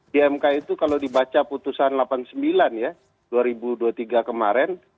di mk itu kalau dibaca putusan delapan puluh sembilan ya dua ribu dua puluh tiga kemarin